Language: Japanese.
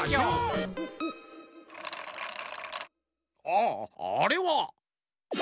ああれは。